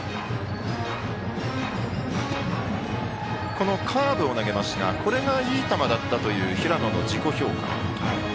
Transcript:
このカーブを投げますがこれがいい球だったという平野の自己評価。